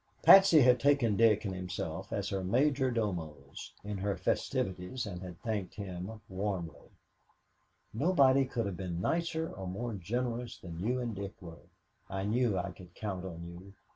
Patsy had taken Dick and himself as her major domos in her festivities and had thanked him warmly. "Nobody could have been nicer or more generous than you and Dick were. I knew I could count on you.